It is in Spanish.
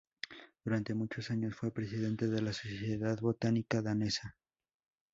Durante muchos años fue presidente de la Sociedad Botánica Danesa.